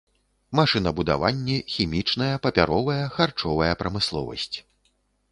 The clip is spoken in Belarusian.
Машынабудаванне, хімічная, папяровая, харчовая прамысловасць.